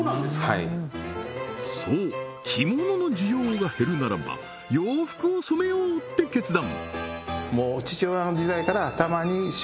はいそう着物の需要が減るならば洋服を染めようって決断